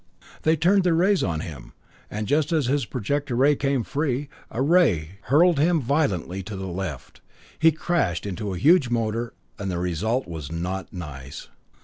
They turned their rays on him, and just as his projector came free, a ray hurled him violently to the left. He crashed into a huge motor, and the result was not nice.